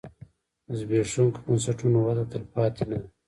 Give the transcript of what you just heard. د زبېښونکو بنسټونو وده تلپاتې نه ده.